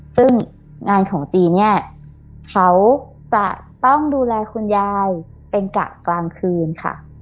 ซึ่งงานของจีนเนี่ยเขาจะต้องดูแลคุณยายเป็นกะกลางคืนค่ะ